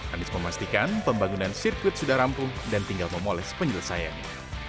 anies memastikan pembangunan sirkuit sudah rampung dan tinggal memoles penyelesaiannya